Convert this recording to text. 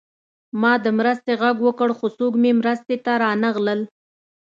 ما د مرستې غږ وکړ خو څوک مې مرستې ته رانغلل